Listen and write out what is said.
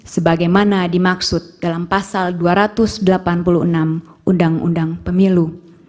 sebagaimana dimaksud dalam pasal dua ratus enam puluh tiga ayat satu undang undang pemilu